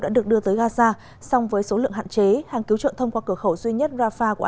đã được đưa tới gaza song với số lượng hạn chế hàng cứu trợ thông qua cửa khẩu duy nhất rafah của